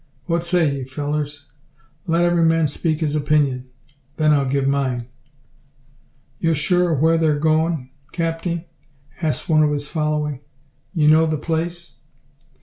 What say ye, fellers? Let every man speak his opinion; then I'll give mine." "You're sure o' whar they're goin', capting?" asks one of his following. "You know the place?"